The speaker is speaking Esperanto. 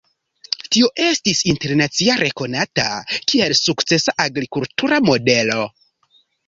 Tio estis internacia rekonata, kiel sukcesa agrikultura modelo.